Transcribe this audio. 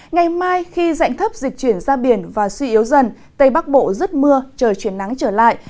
ngày mai khi dạnh thấp dịch chuyển ra biển và suy yếu dần tây bắc bộ rất mưa trời chuyển nắng trở lại